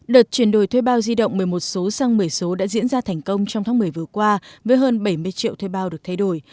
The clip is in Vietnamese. đợt chuyển đổi thuê bao di động một mươi một số sang một mươi số đã diễn ra thành công trong tháng một mươi vừa qua với hơn bảy mươi triệu thuê bao được thay đổi